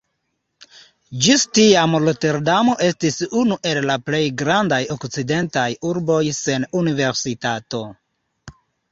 Ĝis tiam Roterdamo estis unu el la plej grandaj okcidentaj urboj sen universitato.